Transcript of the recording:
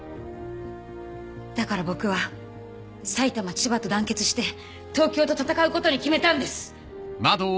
だから僕は埼玉千葉と団結して東京と戦うことに決めたんです！